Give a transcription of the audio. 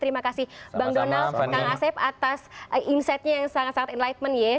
terima kasih bang donald kang asep atas insightnya yang sangat sangat enlightenment ya